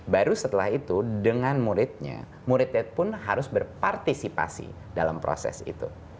baru setelah itu dengan muridnya muridnya pun harus berpartisipasi dalam proses itu